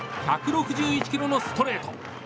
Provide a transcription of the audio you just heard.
１６１キロのストレート。